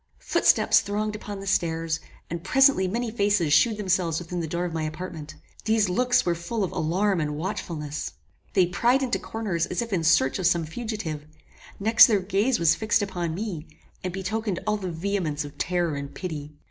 Footsteps thronged upon the stairs, and presently many faces shewed themselves within the door of my apartment. These looks were full of alarm and watchfulness. They pryed into corners as if in search of some fugitive; next their gaze was fixed upon me, and betokened all the vehemence of terror and pity.